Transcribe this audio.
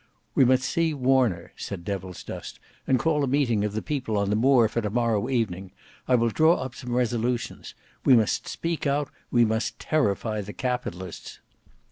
"We must see Warner." said Devilsdust, "and call a meeting of the people on the Moor for to morrow evening. I will draw up some resolutions. We must speak out; we must terrify the Capitalists."